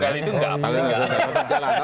kalau itu tidak apa apa